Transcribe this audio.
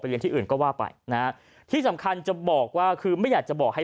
เรียนที่อื่นก็ว่าไปนะฮะที่สำคัญจะบอกว่าคือไม่อยากจะบอกให้